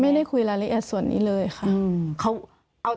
ไม่ได้คุยรายละเอียดส่วนนี้เลยค่ะ